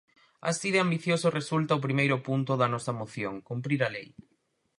Así de ambicioso resulta o primeiro punto da nosa moción: cumprir a lei.